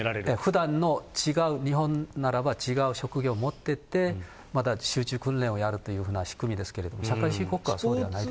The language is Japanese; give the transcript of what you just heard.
ふだんの、違う、日本ならば違う職業を持っていて、また集中訓練やるっていう仕組みですけれども、社会主義国家はそうではないです。